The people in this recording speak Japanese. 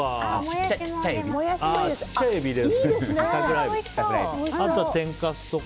ちっちゃいエビとか。